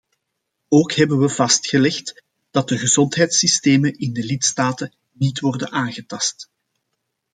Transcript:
Ook hebben we vastgelegd dat de gezondheidssystemen in de lidstaten niet worden aangetast.